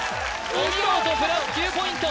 お見事プラス９ポイント